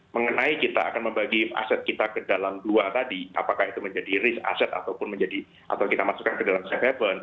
mengenai kita akan membagi aset kita ke dalam dua tadi apakah itu menjadi risk asset ataupun kita masukkan ke dalam survival